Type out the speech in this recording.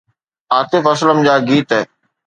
عاطف اسلم جا گيت